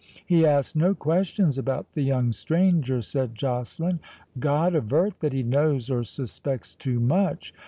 "He asked no questions about the young stranger," said Joceline—"God avert that he knows or suspects too much!"